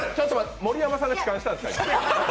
盛山さんが痴漢したんですか？